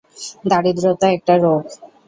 দারিদ্রতা একটা রোগ।